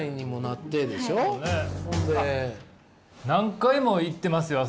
何回も行ってますよ！